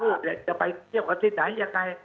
ผู้เด็ดจะให้ไปเครียมกันที่ไหนอย่างไง